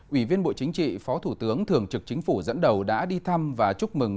ủy viên bộ chính trị phó thủ tướng thường trực chính phủ dẫn đầu đã đi thăm và chúc mừng